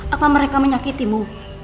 apa mereka menyakitimu